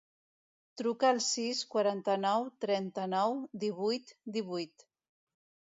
Truca al sis, quaranta-nou, trenta-nou, divuit, divuit.